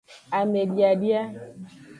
Amediadia.